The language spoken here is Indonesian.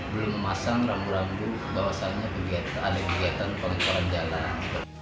belum memasang rambu rambu bahwasannya ada kegiatan pengeboran jalan